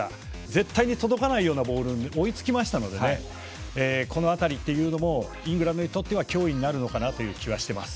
絶対に届かないようなボールに追いつきましたのでこの辺りもイングランドにとって脅威になるのかなという気はしています。